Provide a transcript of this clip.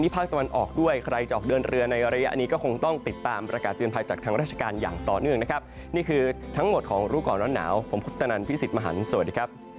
โปรดติดตามตอนต่อไป